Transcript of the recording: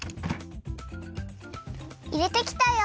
いれてきたよ。